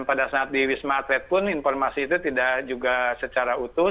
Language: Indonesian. dan pada saat di wisma atlet pun informasi itu tidak juga secara utuh